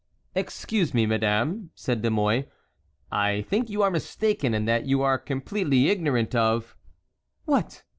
"Excuse me, madame," said De Mouy, "I think you are mistaken, and that you are completely ignorant of"— "What!"